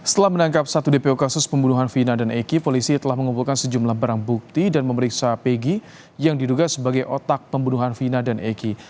setelah menangkap satu dpo kasus pembunuhan vina dan eki polisi telah mengumpulkan sejumlah barang bukti dan memeriksa pegi yang diduga sebagai otak pembunuhan vina dan eki